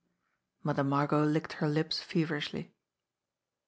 Mother Margot licked her lips feverishly.